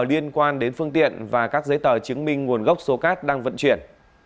liên quan đến phương tiện và các giấy tờ chứng minh nguồn gốc số cát đang vận chuyển